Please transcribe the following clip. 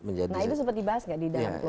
nah itu seperti dibahas nggak di dalam keluarga